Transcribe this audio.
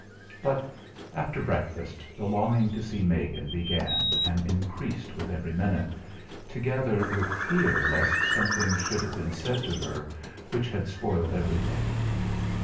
But, after breakfast, the longing to see Megan began and increased with every minute, together with fear lest something should have been said to her which had spoiled everything.